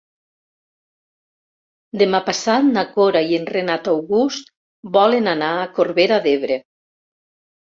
Demà passat na Cora i en Renat August volen anar a Corbera d'Ebre.